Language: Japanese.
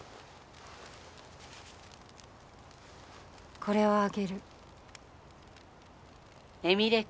これをあげる。